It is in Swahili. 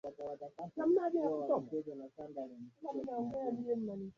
mafunzo endelevu kwa hiyo tunaweza sema haya tunaendelea nayo na pia suala la usawa